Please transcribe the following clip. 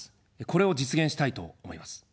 これを実現したいと思います。